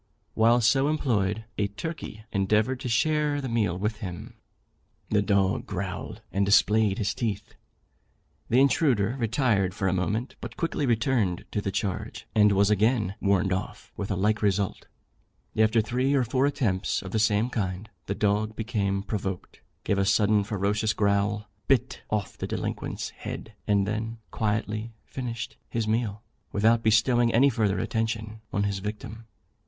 While so employed, a turkey endeavoured to share the meal with him. The dog growled, and displayed his teeth. The intruder retired for a moment, but quickly returned to the charge, and was again "warned off," with a like result. After three or four attempts of the same kind, the dog became provoked, gave a sudden ferocious growl, bit off the delinquent's head, and then quietly finished his meal, without bestowing any further attention on his victim.